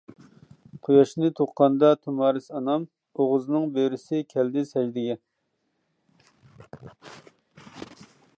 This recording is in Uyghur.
قۇياشنى تۇغقاندا تۇمارىس ئانام، ئوغۇزنىڭ بۆرىسى كەلدى سەجدىگە.